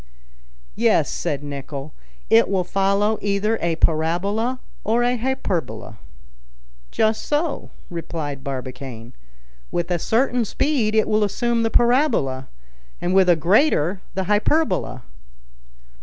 "Yes," said Nicholl, "it will follow either a parabola or a hyperbola." "Just so," replied Barbicane. "With a certain speed it will assume the parabola, and with a greater the hyperbola."